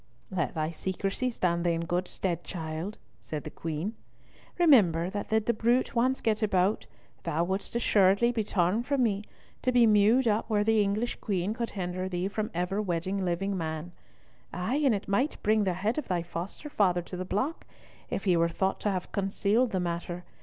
"Let thy secrecy stand thee in good stead, child," said the Queen. "Remember that did the bruit once get abroad, thou wouldest assuredly be torn from me, to be mewed up where the English Queen could hinder thee from ever wedding living man. Ay, and it might bring the head of thy foster father to the block, if he were thought to have concealed the matter.